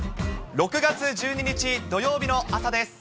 ６月１２日土曜日の朝です。